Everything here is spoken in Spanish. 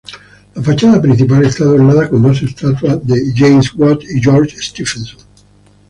La fachada principal está adornada con dos estatuas de James Watt y George Stephenson.